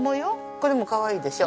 これもかわいいでしょ。